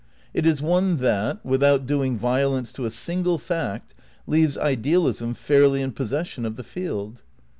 It is one that, without doing violence to a single fact, leaves idealism fairly in possession of the field.